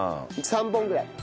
３本ぐらい。